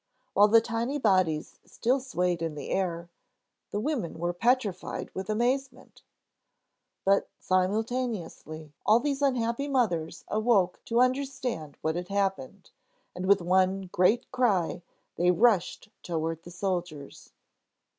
While the tiny bodies still swayed in the air, the women were petrified with amazement! But simultaneously all these unhappy mothers awoke to understand what had happened, and with one great cry they rushed toward the soldiers.